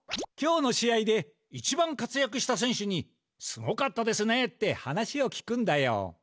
今日の試合で一番活やくした選手に「すごかったですね」って話を聞くんだよ。